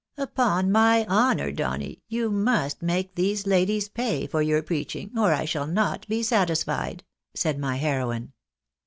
" Upon my honour, Donny, you must make these ladies pay for your preaching, or I shall not be satisfied," said my heroine.